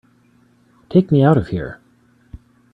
Take me out of here!